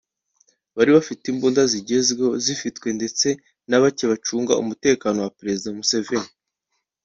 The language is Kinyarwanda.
bari bafite imbunda zigezweho zifitwe ndetse na bake bacunga umutekano Perezida Museveni